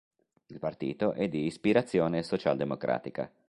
Il partito è di ispirazione socialdemocratica.